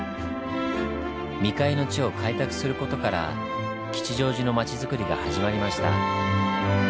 未開の地を開拓する事から吉祥寺のまちづくりが始まりました。